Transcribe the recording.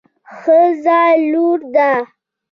ښځه لور ده